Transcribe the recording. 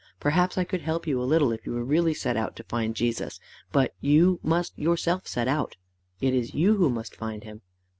Perhaps I could help you a little if you were really set out to find Jesus, but you must yourself set out. It is you who must find him.